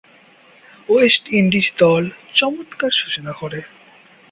West Indies দল চমৎকার সূচনা করে।